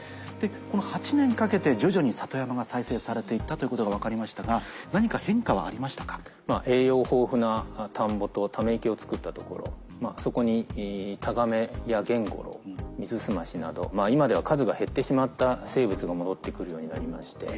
この８年かけて徐々に里山が再生されて行ったということが分かりましたが何か変化はありましたか？を作ったところそこにタガメやゲンゴロウミズスマシなど今では数が減ってしまった生物が戻って来るようになりまして。